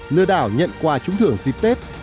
lừa đảo nhận quà trúng thưởng dịp tết